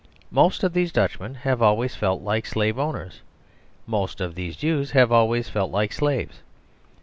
Most of these Dutchmen have always felt like slave owners. Most of these Jews have always felt like slaves.